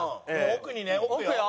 奥にね奥よ。